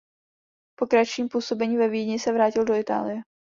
Po kratším působení ve Vídni se vrátil do Itálie.